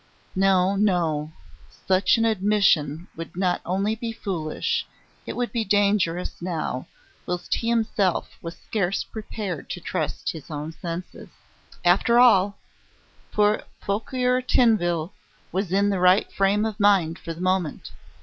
No, no! Such an admission would not only be foolish, it would be dangerous now, whilst he himself was scarce prepared to trust to his own senses. After all, Fouquier Tinville was in the right frame of mind for the moment.